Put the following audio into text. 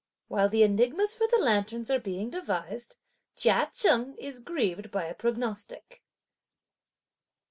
While the enigmas for the lanterns are being devised, Chia Cheng is grieved by a prognostic.